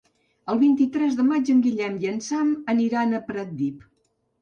El vint-i-tres de maig en Guillem i en Sam aniran a Pratdip.